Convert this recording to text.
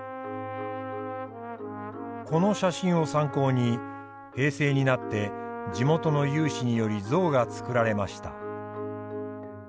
この写真を参考に平成になって地元の有志により像が作られました。